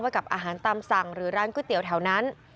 กับอาหารตามสั่งหรือร้านก๋วยเตี๋ยวแถวนั้น